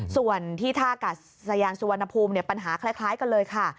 ส่วนที่ท่ากัดสยานสุวรรณภูมิปัญหาคล้ายกันเลยค่ะ